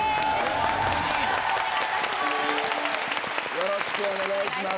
よろしくお願いします